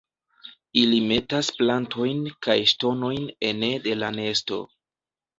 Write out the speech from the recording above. Ili metas plantojn kaj ŝtonojn ene de la nesto.